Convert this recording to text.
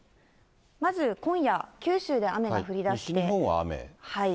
まず今夜、九州で雨が降りだして。